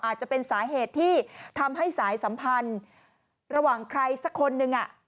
อาจจะเป็นสาเหตุที่ทำให้สายสัมพันธ์ระหว่างใครสักคนหนึ่ง